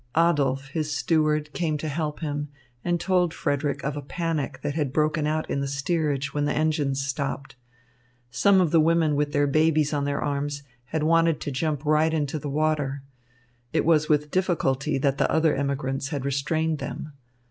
Adolph, his steward, came to help him, and told Frederick of a panic that had broken out in the steerage when the engines stopped. Some of the women with their babies on their arms had wanted to jump right into the water. It was with difficulty that the other emigrants had restrained them.